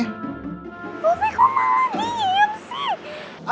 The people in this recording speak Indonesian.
tapi kok malah diem sih